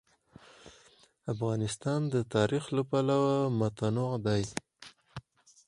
افغانستان د تاریخ له پلوه متنوع دی.